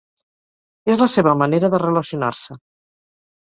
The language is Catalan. És la seva manera de relacionarse.